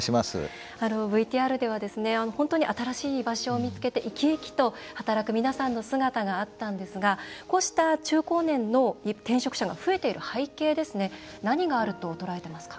ＶＴＲでは、本当に新しい居場所を見つけて生き生きと働く皆さんの姿があったんですがこうした中高年の転職者が増えている背景に何があると捉えていますか？